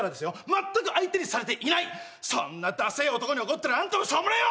全く相手にされていないそんなダセエ男に怒ってるあんたもしょうもねえわ！